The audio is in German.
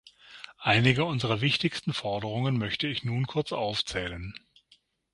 Einige unserer wichtigsten Forderungen möchte ich nun kurz aufzählen.